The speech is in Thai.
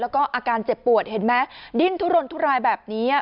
แล้วก็อาการเจ็บปวดเห็นไหมดิ้นทุรนทุรายแบบนี้